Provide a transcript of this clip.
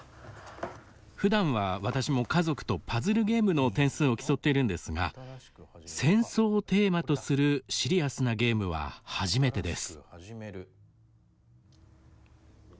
ふだんは私も家族とパズルゲームの点数を競っているんですが戦争をテーマとするシリアスなゲームは初めてです。